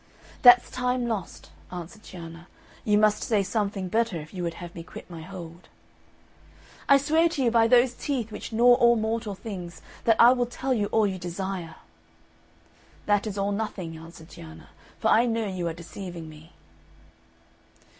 "That's time lost," answered Cianna, "you must say something better if you would have me quit my hold." "I swear to you by those teeth, which gnaw all mortal things, that I will tell you all you desire." "That is all nothing," answered Cianna, "for I know you are deceiving me."